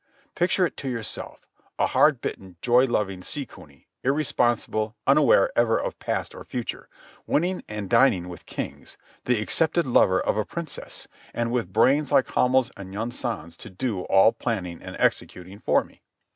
Picture it to yourself—a hard bitten, joy loving sea cuny, irresponsible, unaware ever of past or future, wining and dining with kings, the accepted lover of a princess, and with brains like Hamel's and Yunsan's to do all planning and executing for me.